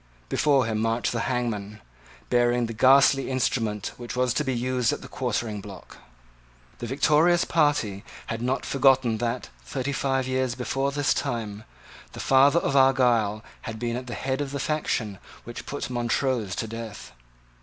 Before him marched the hangman, bearing the ghastly instrument which was to be used at the quartering block. The victorious party had not forgotten that, thirty five years before this time, the father of Argyle had been at the head of the faction which put Montrose to death.